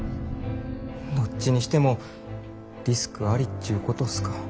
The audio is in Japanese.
どっちにしてもリスクありっちゅうことすか。